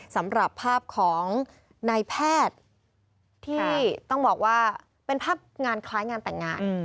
สำหรับภาพของนายแพทย์ที่ต้องบอกว่าเป็นภาพงานคล้ายงานแต่งงาน